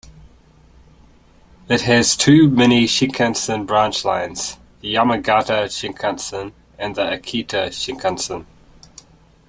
It has two Mini-shinkansen branch lines, the Yamagata Shinkansen and Akita Shinkansen.